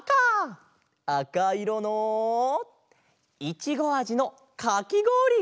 あかいろのいちごあじのかきごおり！